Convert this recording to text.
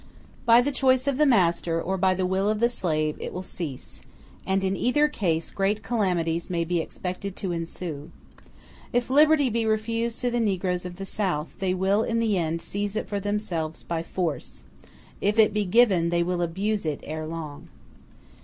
By the choice of the master, or by the will of the slave, it will cease; and in either case great calamities may be expected to ensue. If liberty be refused to the negroes of the South, they will in the end seize it for themselves by force; if it be given, they will abuse it ere long.